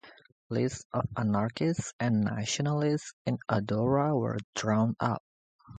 Lists of anarchist and nationalist in Andorra were drawn up.